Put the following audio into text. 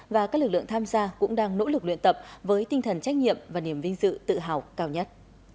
và các lực lượng tham gia cũng đang nỗ lực luyện tập với tinh thần trách nhiệm và niềm vinh dự tự hào cao nhất